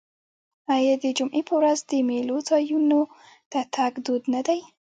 آیا د جمعې په ورځ د میلو ځایونو ته تګ دود نه دی؟